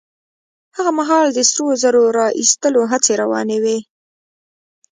هغه مهال د سرو زرو را ايستلو هڅې روانې وې.